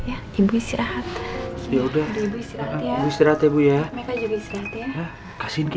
nanti aku ke sana